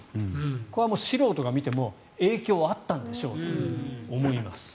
これは素人が見ても影響があったんでしょうと思います。